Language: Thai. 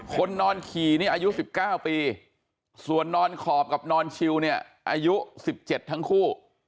คนนอนขี่นี่อายุ๑๙ปีส่วนนอนขอบกับนอนชิวเนี่ยอายุ๑๗ทั้งคู่